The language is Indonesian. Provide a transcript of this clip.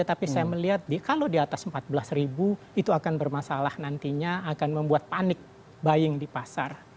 tapi saya melihat kalau di atas empat belas ribu itu akan bermasalah nantinya akan membuat panik buying di pasar